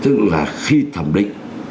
tức là khi thẩm định